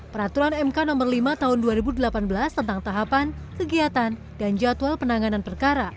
peraturan mk nomor lima tahun dua ribu delapan belas tentang tahapan kegiatan dan jadwal penanganan perkara